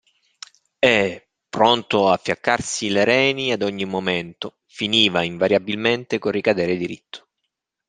E, pronto a fiaccarsi le reni ad ogni momento, finiva, invariabilmente, col ricadere diritto.